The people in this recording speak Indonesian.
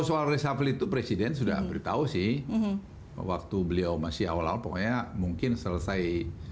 soal reshuffle itu presiden sudah beritahu sih waktu beliau masih awal awal pokoknya mungkin selesai